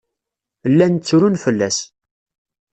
Llan ttrun fell-as.